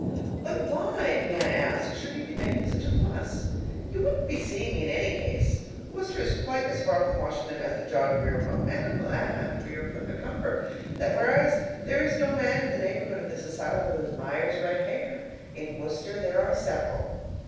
But why, may I ask, should you be making such a fuss? You wouldn't be seeing me in any case. Worcester is quite as far from Washington as the John Grier Home. And I will add, for your further comfort, that whereas there is no man in the neighborhood of this asylum who admires red hair, in Worcester there are several.